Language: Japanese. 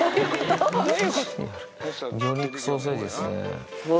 魚肉ソーセージっすね。